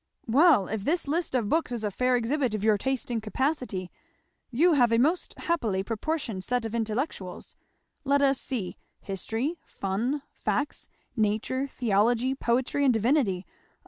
Well if this list of books is a fair exhibit of your taste and capacity, you have a most happily proportioned set of intellectuals. Let us see History, fun, facts, nature, theology, poetry and divinity!